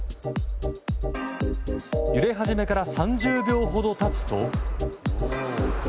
揺れ始めから３０秒ほど経つと。